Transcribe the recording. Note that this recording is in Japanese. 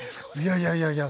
いやいやいや。